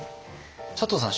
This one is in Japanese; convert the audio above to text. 佐藤さん